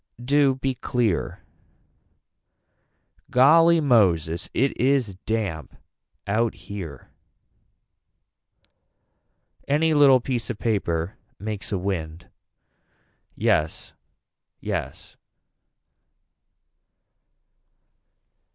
Do be clear. Golly Moses it is damp out here. Any little piece of paper makes a wind. Yes yes.